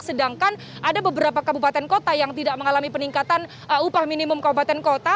sedangkan ada beberapa kabupaten kota yang tidak mengalami peningkatan upah minimum kabupaten kota